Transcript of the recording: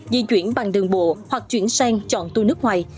di chuyển bằng đường bộ hoặc chuyển sang chọn tour nước ngoài